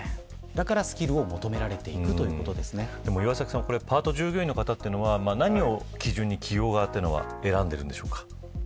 だからスキルを求められるパート従業員の方は何を基準に、企業側は選んでいるんでしょうか。